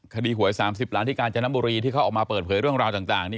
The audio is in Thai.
หวย๓๐ล้านที่กาญจนบุรีที่เขาออกมาเปิดเผยเรื่องราวต่างนี่